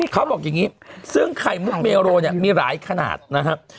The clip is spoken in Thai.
เขาบอกอย่างนี้ซึ่งไข่มุกเมโรเนี่ยมีหลายขนาดนะครับ